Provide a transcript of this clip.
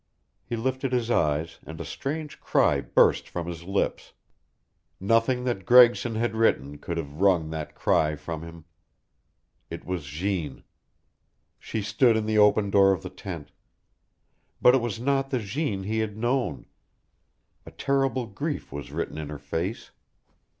He lifted his eyes, and a strange cry burst from his lips. Nothing that Gregson had written could have wrung that cry from him. It was Jeanne. She stood in the open door of the tent. But it was not the Jeanne he had known. A terrible grief was written in her face.